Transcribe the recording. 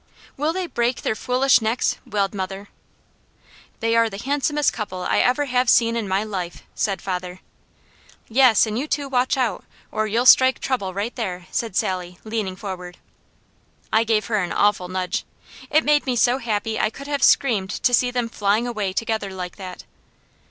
"Will they break their foolish necks?" wailed mother. "They are the handsomest couple I ever have seen in my life!" said father. "Yes, and you two watch out, or you'll strike trouble right there," said Sally, leaning forward. I gave her an awful nudge. It made me so happy I could have screamed to see them flying away together like that.